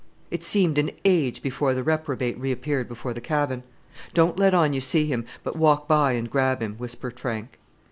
It seemed an age before the reprobate reappeared before the cabin. "Don't let on you see him, but walk by and grab him," whispered Frank.